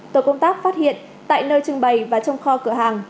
tổ công tác phát hiện tại nơi trưng bày và trong kho cửa hàng